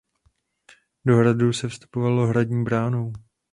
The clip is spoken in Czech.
Do hradu se vstupovalo hradní bránou.